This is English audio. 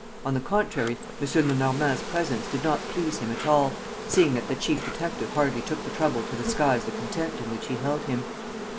On the contrary, M. Lenormand's presence did not please him at all, seeing that the chief detective hardly took the trouble to disguise the contempt in which he held him.